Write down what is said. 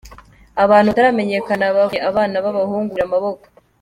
Abantu bataramenyekana bavunnye abana b’abahungu babiri amaboko